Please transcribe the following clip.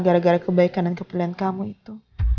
gara gara kebaikan dan kepelian kamu itu